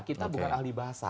kita bukan ahli bahasa